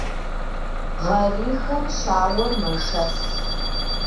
Гъэрихым щауэр мэшэс.